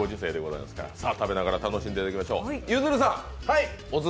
さあ、食べながら楽しんでいただきましょう。